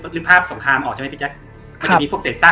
รึภาพสคามออกใช่ไหมพี่แจ็ค